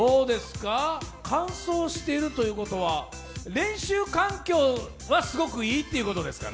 乾燥しているということは練習環境はすごくいいということですか？